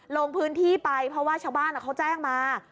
ลงพื้นที่ไปเพราะว่าชาวบ้านเขาแจ้งมา